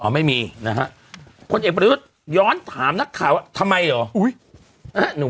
ไม่มีนะฮะคนเอกประยุทธ์ย้อนถามนักข่าวว่าทำไมเหรอ